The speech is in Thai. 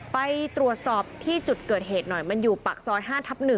ไปตรวจสอบที่จุดเกิดเหตุหน่อยมันอยู่ปากซอย๕ทับ๑